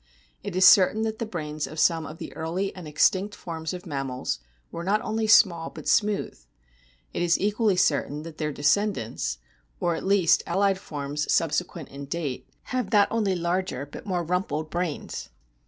It is certain that the brains of some of the early and extinct forms of mammals were not only small but smooth. It is equally certain that their descendants or at least allied forms subsequent in date have not only larger, but more rumpled brains.